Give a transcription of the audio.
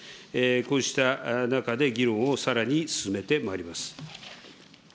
こうした中で議論をさらに進めてまいります。